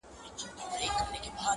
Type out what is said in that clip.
نور څه نه وای چي هر څه وای-